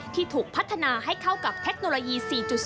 ที่ถูกพัฒนาให้เข้ากับเทคโนโลยี๔๐